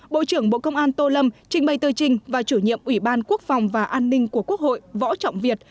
bộ trưởng bộ công an tô lâm trình bày tờ trình và chủ nhiệm ủy ban quốc phòng và an ninh của quốc hội võ trọng việt